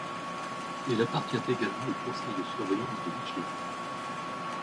Elle appartient également au conseil de surveillance de Michelin.